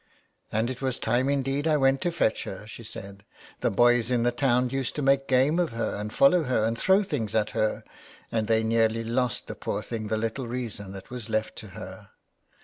"And it was time indeed that I went to fetch her," she said. "The boys in the town used to make game of her, and follow her, and throw things at her, and they nearly lost the poor thing the little reason that was left to her.